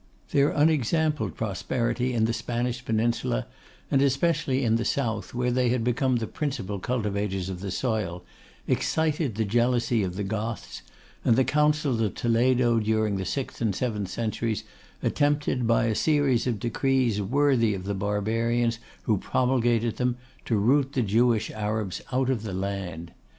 Their unexampled prosperity in the Spanish Peninsula, and especially in the south, where they had become the principal cultivators of the soil, excited the jealousy of the Goths; and the Councils of Toledo during the sixth and seventh centuries attempted, by a series of decrees worthy of the barbarians who promulgated them, to root the Jewish Arabs out of the land.